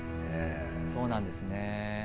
そうなんですね。